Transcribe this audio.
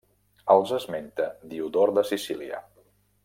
Els esmenta Diodor de Sicília.